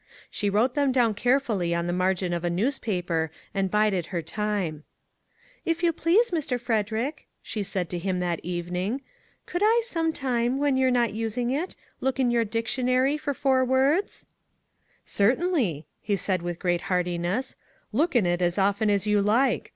She wrote them down carefully on the margin of a newspaper and bided her time. " If you please, Mr. Frederick," she said to him that evening, " Could I sometime, when you are not using it, look in your dictionary for four words? " 138 DISCOVERIES " Certainly," he said with great heartiness " Look in it as often as you like.